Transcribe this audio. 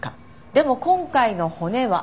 でも今回の骨は。